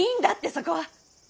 そこは！